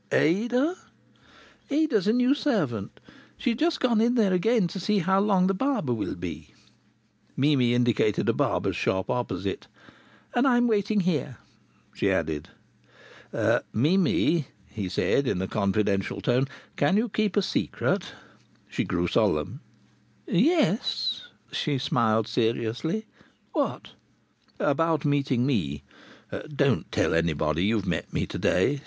"Ada?" "Ada's a new servant. She's just gone in there again to see how long the barber will be." Mimi indicated a barber's shop opposite. "And I'm waiting here," she added. "Mimi," he said, in a confidential tone, "can you keep a secret?" She grew solemn. "Yes." She smiled seriously. "What?" "About meeting me. Don't tell anybody you've met me to day.